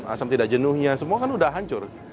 asam tidak jenuhnya semua kan udah hancur